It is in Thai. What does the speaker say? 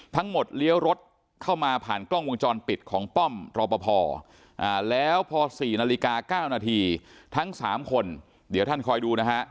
เลี้ยวรถเข้ามาผ่านกล้องวงจรปิดของป้อมรอปภแล้วพอ๔นาฬิกา๙นาทีทั้ง๓คนเดี๋ยวท่านคอยดูนะฮะ